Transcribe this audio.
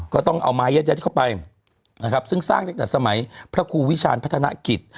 ก็ต้องเอาไม้ยัดเข้าไปนะครับซึ่งสร้างตั้งแต่สมัยพระครูวิชาณพัฒนกิจ